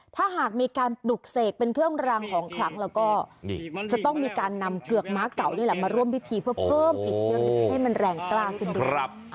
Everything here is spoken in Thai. ถ้าหากมีการปลุกเสกเป็นเครื่องรางของขลังแล้วก็จะต้องมีการนำเกือกม้าเก่านี่แหละมาร่วมพิธีเพื่อเพิ่มอิทธิฤทธิให้มันแรงกล้าขึ้นด้วย